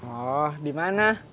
oh di mana